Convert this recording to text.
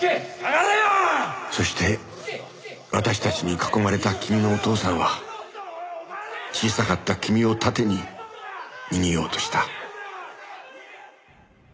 そして私たちに囲まれた君のお父さんは小さかった君を盾に逃げようとした。